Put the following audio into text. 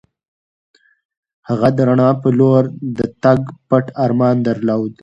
هغه د رڼا په لور د تګ پټ ارمان درلود.